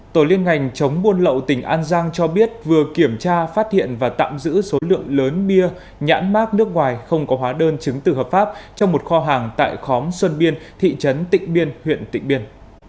tổ liên ngành chống buôn lậu tỉnh an giang cho biết vừa kiểm tra phát hiện và tạm giữ số lượng lớn bia nhãn mát nước ngoài không có hóa đơn chứng từ hợp pháp trong một kho hàng tại khóm xuân biên thị trấn tịnh biên huyện tịnh biên